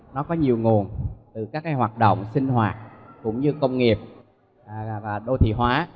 nó có nhiều nguồn từ các hoạt động sinh hoạt cũng như công nghiệp và đô thị hóa